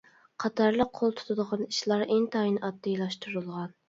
. قاتارلىق قول تۇتىدىغان ئىشلار ئىنتايىن ئاددىيلاشتۇرۇلغان.